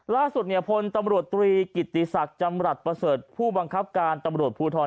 ล่าสุดเนี่ยพลตำรวจตรีกิติศักดิ์จำรัฐประเสริฐผู้บังคับการตำรวจภูทร